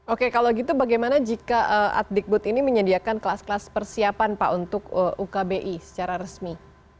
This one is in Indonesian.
oke kalau gitu bagaimana jika addikbud ini menyediakan kelas kelas persiapan pak untuk ukbi secara resmi